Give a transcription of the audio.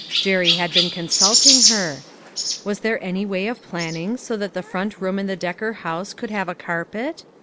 Jerry had been consulting her. Was there any way of planning BO that the front room in the Decker house could have a carpet